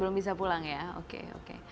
belum bisa pulang ya oke oke